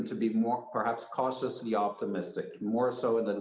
kami membicarakan sentralitas asia dan sebagainya